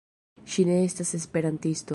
Ŝi ne estas esperantisto.